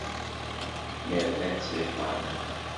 Nerra-tt deg ṭṭerf.